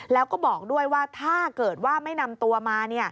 แล้วก็บอกด้วยว่าถ้าเกิดว่าไม่นำตัวมา